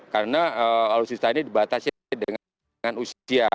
karena alusista ini dibatasi dengan usia